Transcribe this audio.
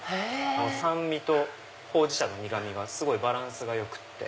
酸味とほうじ茶の苦味がすごいバランスが良くて。